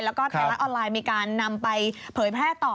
แล้วก็ไทยรัฐออนไลน์มีการนำไปเผยแพร่ต่อ